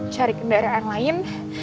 cari kendaraan lain